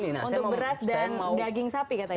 untuk beras dan daging sapi katanya